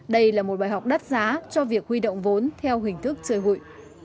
đây là một bài học đắt giá cho việc huy động vốn theo hình thức chơi hụi